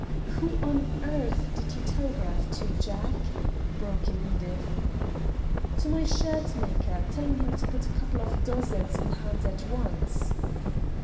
"Who on earth did you telegraph to, Jack?" broke in Edith. "To my shirt maker, telling him to put a couple of dozens in hand at once."